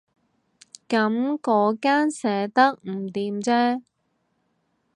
噉嗰間寫得唔掂啫